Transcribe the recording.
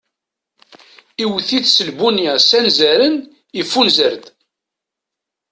Iwwet-it s lbunya s anzaren iffunzer-d.